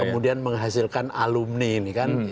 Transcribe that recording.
kemudian menghasilkan alumni ini kan